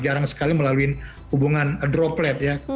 jarang sekali melalui hubungan droplet ya